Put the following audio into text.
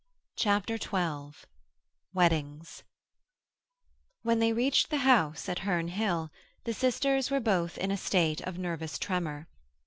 CHAPTER XII WEDDINGS When they reached the house at Herne Hill the sisters were both in a state of nervous tremor.